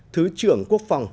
thứ trưởng quốc phòng